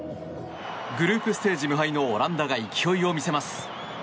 グループステージ無敗のオランダが勢いを見せます。